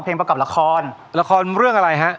แล้วเธอละเป็นจังหวะยังไง